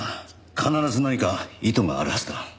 必ず何か意図があるはずだ。